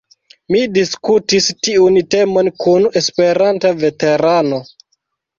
Mi diskutis tiun temon kun Esperanta veterano.